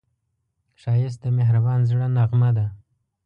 ښایست د مهربان زړه نغمه ده